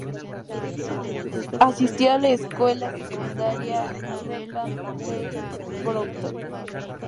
Asistió a la escuela secundaria Needham B. Broughton.